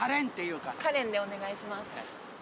カレンでお願いします。